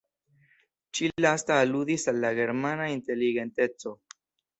Ĉi-lasta aludis al la germana inteligenteco.